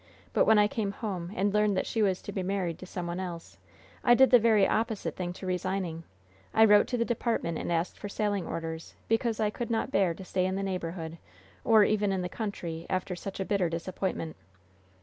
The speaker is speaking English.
But, when I came home and learned that she was to be married to some one else, I did the very opposite thing to resigning. I wrote to the department and asked for sailing orders, because I could not bear to stay in the neighborhood, or even in the country, after such a bitter disappointment."